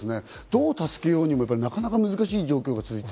どう助けようにも、なかなか難しい状況が続い